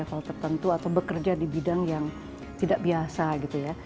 level tertentu atau bekerja di bidang yang tidak biasa gitu ya